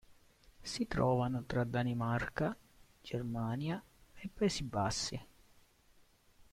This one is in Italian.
Si trovano tra Danimarca, Germania e Paesi Bassi.